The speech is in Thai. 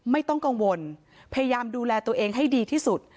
ไม่ต้องกังวลพยายามดูแลตัวเองให้ดีที่สุด